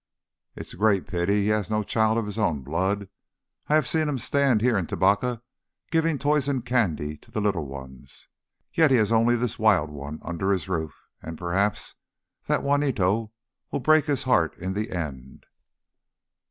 "It is a great pity he has no child of his own blood. I have seen him stand here in Tubacca giving toys and candy to the little ones. Yet he has only this wild one under his roof, and perhaps that Juanito will break his heart in the end...."